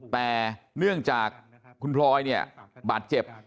แต่เนื่องจากคุณพลอยเนี่ยบาดเจ็บ